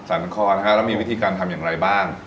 นครแล้วมีวิธีการทำอย่างไรบ้าง